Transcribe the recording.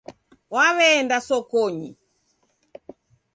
Waweenda sokonyi.